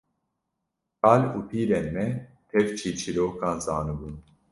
Kal û pîrên me tev çîrçîrokan zanibûn